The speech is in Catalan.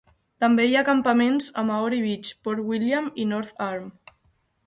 També hi ha campaments a Maori Beach, Port William i North Arm.